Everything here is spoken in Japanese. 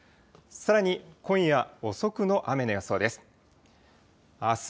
さらに今夜遅くの雨の予想です。